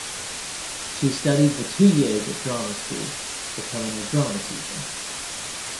She studied for two years at drama school, becoming a drama teacher.